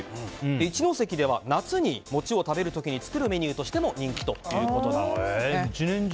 一関では夏に食べる餅のメニューとしても人気ということなんです。